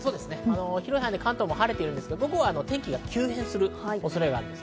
広い範囲で関東は晴れてるんですけれども、午後は天気が急変する恐れがあります。